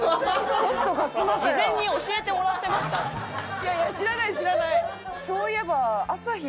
いやいや知らない知らない。